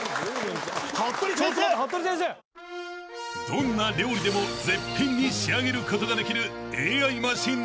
［どんな料理でも絶品に仕上げることができる］